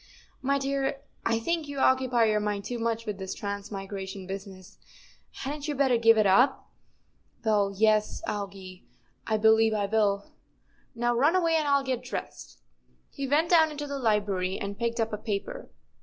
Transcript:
" My dear, I think you occupy your mind too much with this transmigration business. Hadn't you better give it up?" " Well, yes, Algy, I believe I will. Now, run away, and I'll get dressed." He went down into the library and picked up a paper.